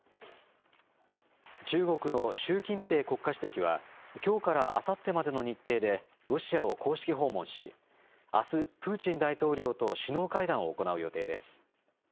中国の習近平国家主席は、きょうからあさってまでの日程で、ロシアを公式訪問し、あす、プーチン大統領と首脳会談を行う予定です。